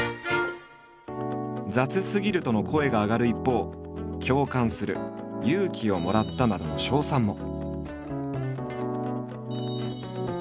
「雑すぎる」との声が上がる一方「共感する」「勇気をもらった」などの称賛も。